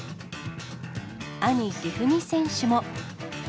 兄、一二三選手も。